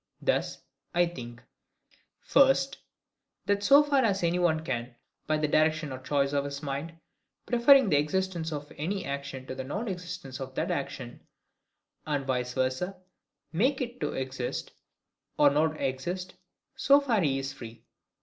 Thus, I think, First, That so far as any one can, by the direction or choice of his mind, preferring the existence of any action to the non existence of that action, and vice versa, make IT to exist or not exist, so far HE is free.